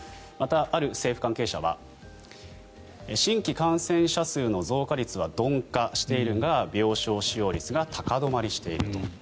また、ある政府関係者は新規感染者数の増加率は鈍化しているが病床使用率が高止まりしていると。